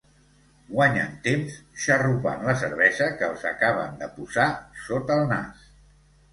Guanyen temps xarrupant la cervesa que els acaben de posar sota el nas.